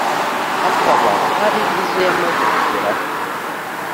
hakaba hari izo yamaze kugeraho